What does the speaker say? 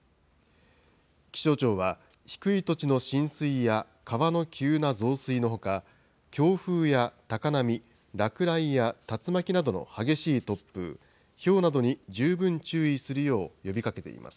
気象庁は、低い土地の浸水や川の急な増水のほか、強風や高波、落雷や竜巻などの激しい突風、ひょうなどに十分注意するよう呼びかけています。